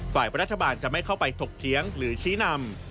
ฝ่ายรัฐบาลจะไม่เข้าไปถกเถียงหรือชี้นำ